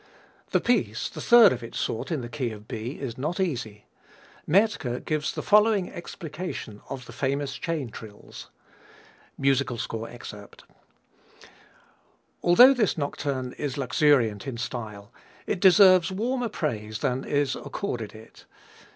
The piece the third of its sort in the key of B is not easy. Mertke gives the following explication of the famous chain trills: [Musical score excerpt] Although this nocturne is luxuriant in style, it deserves warmer praise than is accorded it.